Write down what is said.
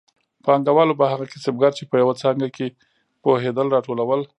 پانګوالو به هغه کسبګر چې په یوه څانګه کې پوهېدل راټولول